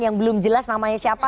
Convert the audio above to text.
yang belum jelas namanya siapa